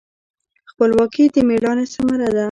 خپلواکي د میړانې ثمره ده.